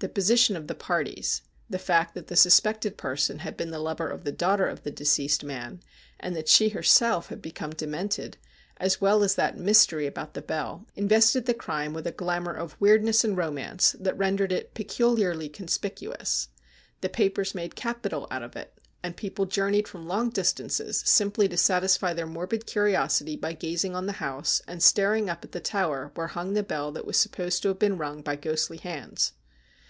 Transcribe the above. The position of the parties, the fact that the sus pected person had been the lover of the daughter of the de ceased man, and that she herself had become demented, as well as that mystery about the bell, invested the crime with a glamour of weirdness and romance that rendered it peculiarly conspicuous. The papers made capital out of it, and people journeyed from long distances simply to satisfy their morbid curiosity by gazing on the house, and staring up at the tower where hung the bell that was supposed to have been rung by ghostly hands.